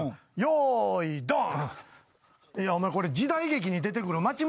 用意ドン。